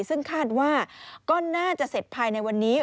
ซึ่งคาดว่าก็น่าจะเสร็จภายในวันนี้